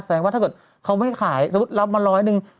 ว่าถ้าเกิดเขาไม่ขายสมมุติรับมาร้อยหนึ่ง